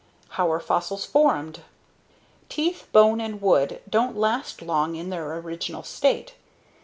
How are fossils formed? Teeth, bone and wood don't last long in their original state.